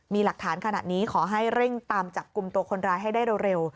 มีหลักฐานขนาดนี้ขอให้เร่งตามจับกลุ่มตัวคนร้ายให้ได้เร็ว